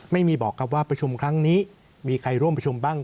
ไม่มีบอกครับว่าประชุมครั้งนี้มีใครร่วมประชุมบ้าง